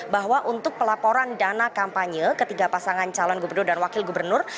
bahwa untuk pelaporan dana kampanye ketiga pasangan calon gubernur dan wakil gubernur